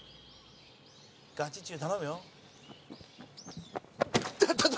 ガチ中、頼むよ。